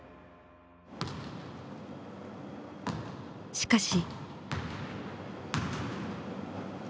しかし。